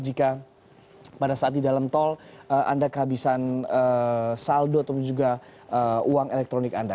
jika pada saat di dalam tol anda kehabisan saldo atau juga uang elektronik anda